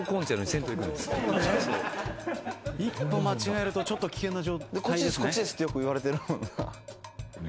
一歩間違えるとちょっと危険な状態ですね。